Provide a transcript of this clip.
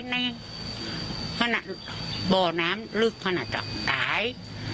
เบาะน้ำลึกขนาดจ้ะตาย